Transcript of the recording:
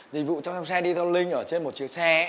dịch vụ chăm sóc xe detailing ở trên một chiếc xe